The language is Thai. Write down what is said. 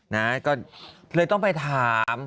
นะก็เลยต้องไปถาม